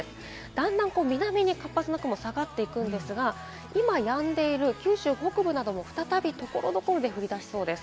だんだん南に活発な雲が下がっていくんですが、今やんでいる九州北部なども再び所々で降り出しそうです。